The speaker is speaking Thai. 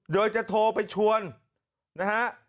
โดยจะโทรไปชวนนะฮะ